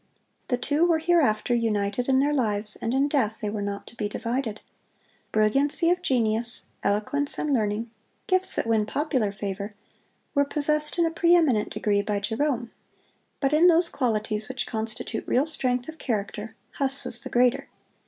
The two were hereafter united in their lives, and in death they were not to be divided. Brilliancy of genius, eloquence and learning—gifts that win popular favor—were possessed in a preeminent degree by Jerome; but in those qualities which constitute real strength of character, Huss was the greater.